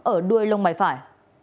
ở đuôi lông bài phải